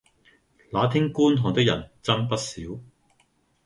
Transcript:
那天觀看的人真不少